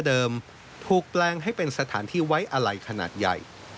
ถูกแปลงให้เป็นสถานที่ไว้อะไรขนาดใหญ่